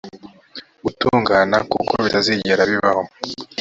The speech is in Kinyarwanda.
gutungana kuko bitazigera bibaho